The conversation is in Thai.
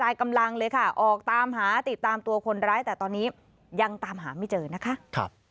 ยังตามหาไม่เจอนะคะ